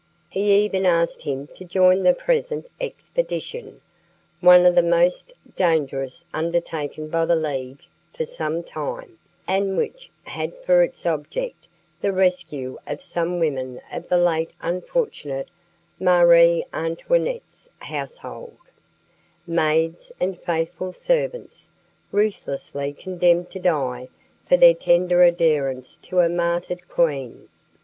He even asked him to join the present expedition one of the most dangerous undertaken by the League for some time, and which had for its object the rescue of some women of the late unfortunate Marie Antoinette's household: maids and faithful servants, ruthlessly condemned to die for their tender adherence to a martyred queen.